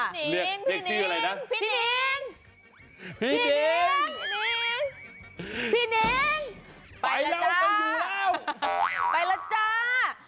พี่นิ่งพี่นิ่งพี่นิ่งพี่นิ่งพี่นิ่งพี่นิ่งพี่นิ่งไปแล้วจ้าไปแล้วจ้า